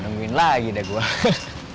nungguin lagi deh gue hehehe